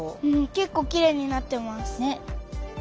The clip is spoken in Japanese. けっこうきれいになってます。